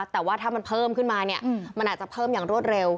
แต่ว่าถ้ามันเพิ่มขึ้นมาเนี่ยมันอาจจะเพิ่มอย่างรวดเร็ว